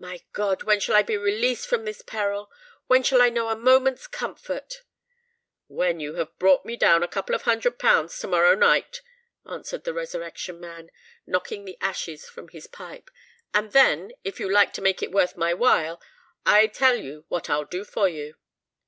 My God! when shall I be released from this peril? when shall I know a moment's comfort?" "When you've brought me down a couple of hundred pounds to morrow night," answered the Resurrection Man, knocking out the ashes from his pipe. "And, then—if you like to make it worth my while—I tell you what I'll do for you."